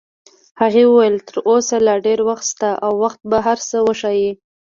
هغې وویل: تر اوسه لا ډېر وخت شته او وخت به هر څه وښایي.